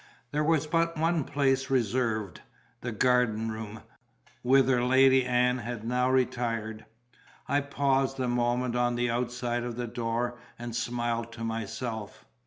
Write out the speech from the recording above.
There was but one place reserved; the garden room, whither Lady Ann had now retired. I paused a moment on the outside of the door, and smiled to myself.